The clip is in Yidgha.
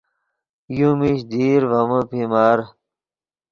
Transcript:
یو میش دیر ڤے من پیمر